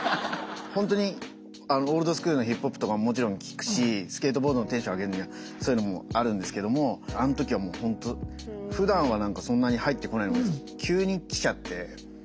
本当にオールドスクールのヒップホップとかもちろん聴くしスケートボードのテンション上げるにはそういうのもあるんですけどもあの時はもう本当ふだんは何かそんなに入ってこないのが急にきちゃって。